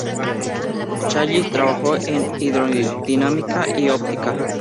Challis trabajó en hidrodinámica y óptica.